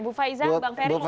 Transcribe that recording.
bu faiza bang ferry mau bertanya